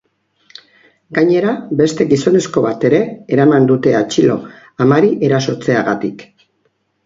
Gainera, beste gizonezko bat ere eraman dute atxilo, amari erasotzeagatik.